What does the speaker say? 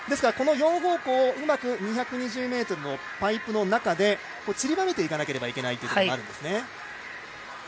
この４方向をうまく２２０ｍのパイプの中でちりばめていかなければいけないというところもあるんですね。